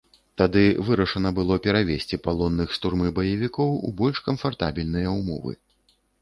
Тады вырашана было перавесці палонных з турмы баевікоў у больш камфартабельныя ўмовы.